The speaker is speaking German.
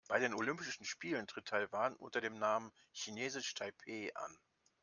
Bei den Olympischen Spielen tritt Taiwan unter dem Namen „Chinesisch Taipeh“ an.